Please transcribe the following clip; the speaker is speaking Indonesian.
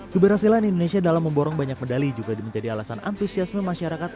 keberhasilan indonesia dalam memborong banyak medali juga menjadi alasan antusiasme masyarakat